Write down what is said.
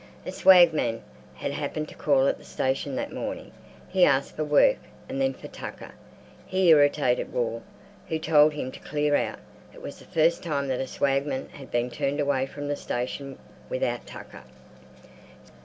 A swagman had happened to call at the station that morning; he asked for work and then for tucker. He irritated Wall, who told him to clear out. It was the first time that a swagman had been turned away from the station without tucker.